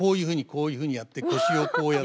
こういうふうにやって腰をこうやって。